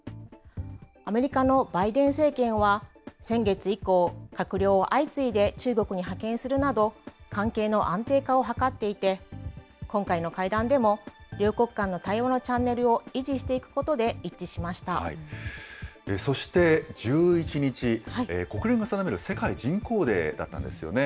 アメリカのバイデン政権は、先月以降、閣僚を相次いで中国に派遣するなど、関係の安定化を図っていて、今回の会談でも両国間の対話のチャンネルを維持していくこそして、１１日、国連が定める世界人口デーだったんですよね。